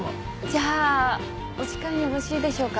じゃあお時間よろしいでしょうか？